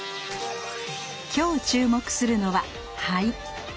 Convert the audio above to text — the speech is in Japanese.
今日注目するのは「肺」。